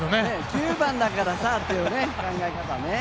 ９番だからという考え方ね。